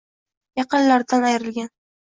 Yaqinlaridan ayirgan